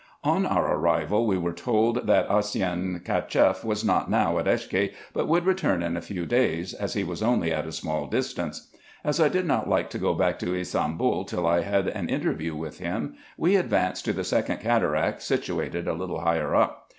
On our arrival we were told, that Osseyn Cacheff was not now at Eshke, but would return in a few days, as he was only at a small distance. As I did not like to go back to Ybsambul till I had 86 RESEARCHES AND OPERATIONS an interview with him, we advanced to the second cataract, situated a little higher up.